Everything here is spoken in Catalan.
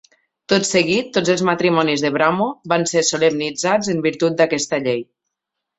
Tot seguit, tots els matrimonis de Brahmo van ser solemnitzats en virtut d'aquesta llei.